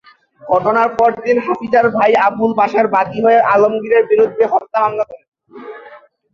ঘটনার পরদিন হাফিজার ভাই আবুল বাশার বাদী হয়ে আলমগীরের বিরুদ্ধে হত্যা মামলা করেন।